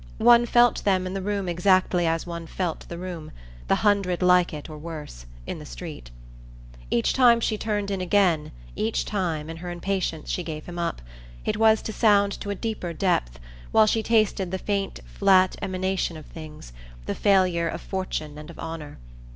One felt them in the room exactly as one felt the room the hundred like it or worse in the street. Each time she turned in again, each time, in her impatience, she gave him up, it was to sound to a deeper depth, while she tasted the faint flat emanation of things, the failure of fortune and of honour.